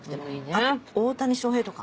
あと大谷翔平とか。